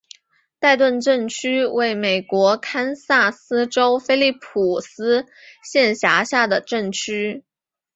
代顿镇区为美国堪萨斯州菲利普斯县辖下的镇区。